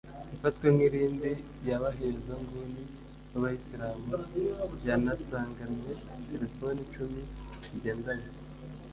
ifatwa nk’indiri y’abahezanguni b’Abayisilamu; yanasanganywe telefone icumi zigendanwa